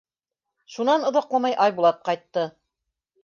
Шунан оҙаҡламай Айбулат ҡайтты.